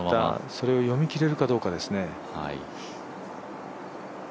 それを読み切れるかどうかですね。